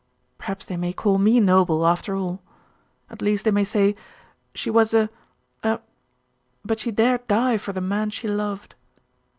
Perhaps they may call me noble, after all. At least, they may say "She was a a but she dare die for the man she loved!"....